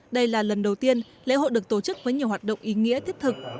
đây là lần đầu tiên lễ hội được tổ chức với nhiều hoạt động ý nghĩa thiết thực